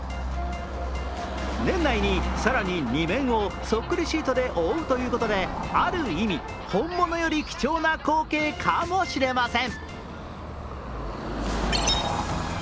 年内に更に２面をそっくりシートで覆うということである意味、本物より貴重な光景かもしれません。